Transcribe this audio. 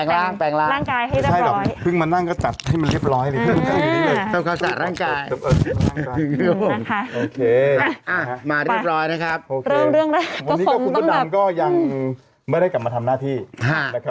เราจัดเป็นร่างกายให้เรียบร้อยไม่ใช่หรอก